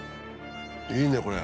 いいねこれ。